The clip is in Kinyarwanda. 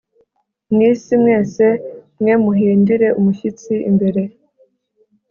mu isi mwese mwe Muhindire umushyitsi imbere